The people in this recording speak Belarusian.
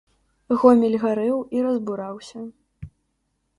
Гомель гарэў і разбураўся.